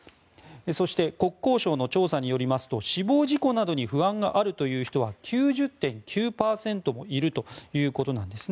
そして国交省の調査によりますと死亡事故などに不安があるという人は９０．９％もいるということなんです。